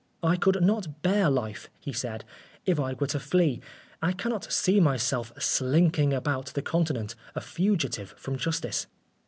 " I could not bear life," he said, "if I were to flee. I cannot see myself slinking about the Continent, a fugitive from justice."